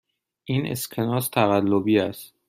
این اسکناس تقلبی است.